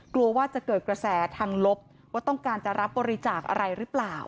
กลัวว่าจะเกิดกระแสทางลบว่าต้องการจะรับบริจาคอะไรหรือเปล่า